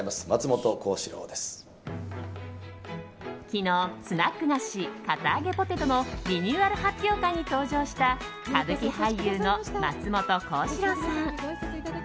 昨日、スナック菓子堅あげポテトのリニューアル発表会に登場した歌舞伎俳優の松本幸四郎さん。